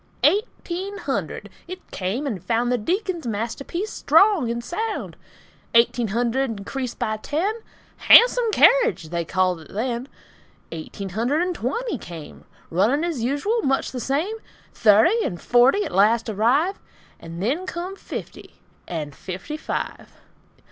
EIGHTEEN HUNDRED; It came and found The Deacon's masterpiece strong and sound. Eighteen hundred increased by ten; "Hahnsum kerridge" they called it then. Eighteen hundred and twenty came; Running as usual; much the same. Thirty and forty at last arrive, And then come fifty, and FIFTY FIVE.